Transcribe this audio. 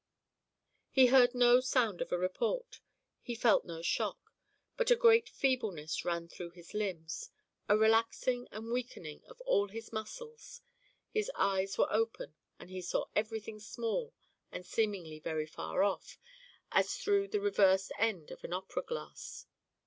He heard no sound of a report; he felt no shock, but a great feebleness ran throughout his limbs, a relaxing and weakening of all his muscles; his eyes were open and he saw everything small and seemingly very far off as through the reversed end of an opera glass.